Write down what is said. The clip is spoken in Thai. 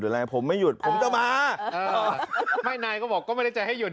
อะไรผมไม่หยุดผมจะมาเออไม่นายก็บอกก็ไม่ได้ใจให้หยุด